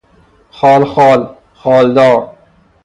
خال خال، خالدار